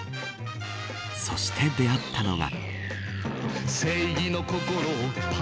そして出会ったのが。